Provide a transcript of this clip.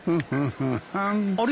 あれ？